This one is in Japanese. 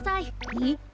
えっ？